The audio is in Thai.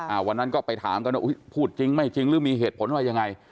วันนั้นก็ไปถามกันว่าอุ้ยพูดจริงไม่จริงหรือมีเหตุผลว่ายังไง